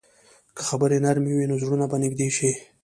که خبرې نرمې وي، نو زړونه به نږدې شي.